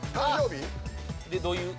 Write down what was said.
でどういう？